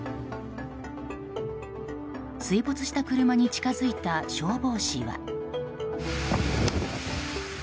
水没した車に近づいた消防士は。